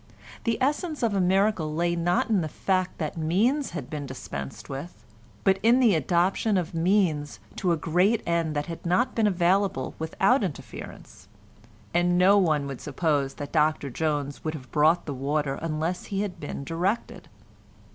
The essence of a miracle lay not in the fact that means had been dispensed with, but in the adoption of means to a great end that had not been available without interference; and no one would suppose that Dr Jones would have brought the water unless he had been directed.